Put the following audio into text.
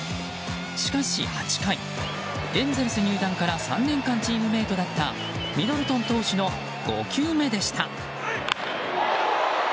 しかし８回、エンゼルス入団から３年間チームメートだったミドルトン投手の５球目でした。